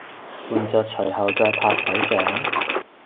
伴著隨後在拍手掌